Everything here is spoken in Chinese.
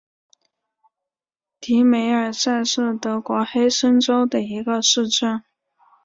迪梅尔塞是德国黑森州的一个市镇。